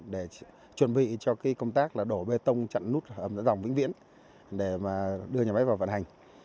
để chuẩn bị cho công tác đổ bê tông chặn nút hầm dẫn dòng vĩnh viễn để đưa nhà máy vào vận hành